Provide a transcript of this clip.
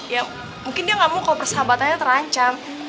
ya mungkin dia gak mau kalo persahabatannya terancam